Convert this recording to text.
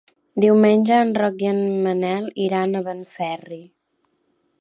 Diumenge en Roc i en Manel iran a Benferri.